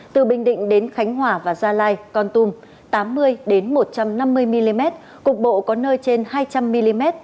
từ bình định đến khánh hòa và gia lai con tum tám mươi một trăm năm mươi mm cục bộ có nơi trên hai trăm linh mm